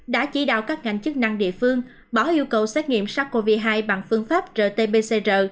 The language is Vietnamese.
đã chỉ đạo các ngành chức năng địa phương bỏ yêu cầu xét nghiệm sars cov hai bằng phương pháp rt pcr